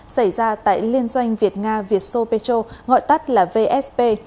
xảy ra tại liên doanh việt nga việt sô pê chô gọi tắt là vsp